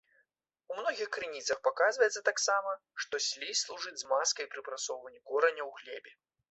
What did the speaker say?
У многіх крыніцах паказваецца таксама, што слізь служыць змазкай пры прасоўванні кораня ў глебе.